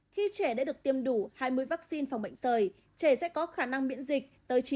khi trẻ đã được tiêm đủ hai mươi vaccine phòng bệnh sởi trẻ sẽ có khả năng miễn dịch tới chín mươi